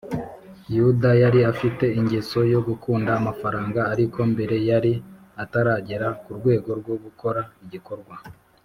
yuda yari afite ingeso yo gukunda amafaranga; ariko mbere yari ataragera ku rwego rwo gukora igikorwa